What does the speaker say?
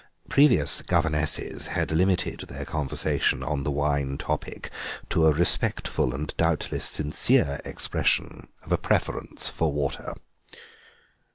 Previous governesses had limited their conversation on the wine topic to a respectful and doubtless sincere expression of a preference for water.